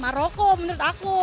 maroko menurut aku